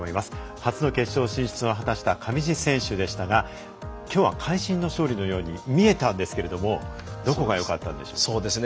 初の決勝進出を果たした上地選手でしたがきょうは会心の勝利のように見えたんですけれどどこがよかったですか？